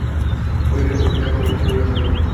ওকে ডাক, ওকেও গ্রেপ্তার করব।